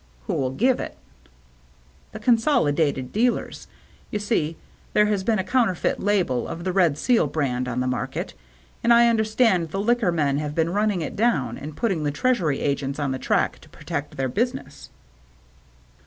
"Who'll give it?" " The Consolidated Dealers. You see, there has been a counterfeit label, of the Red Seal brand, on the market ; and I understand the liquor men have been running it down and 152 THE MERRT ANNE putting the Treasury Agents on the track to protect their business."